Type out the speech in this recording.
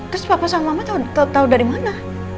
terus papa sama mama tau dari mana